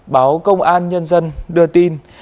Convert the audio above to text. báo công an nhân dân đưa tin